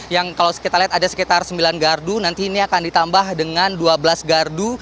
yang kalau kita lihat ada sekitar sembilan gardu nanti ini akan ditambah dengan dua belas gardu